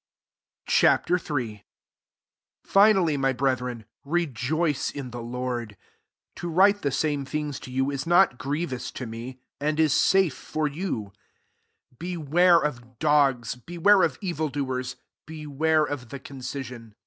PHILIPPIANS III. 3£3 Ch. III. 1 Finally, my breth ^n, rejoice in the Lord. To j^rite the same things to you * not grievous to me, and is »afe for you. 2 Beware of dogs, beware )f evil doers, beware of the concision.